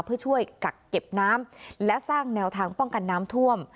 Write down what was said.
เพื่อช่วยกักเก็บน้ำและสร้างแนวทางป้องกันน้ำท่วม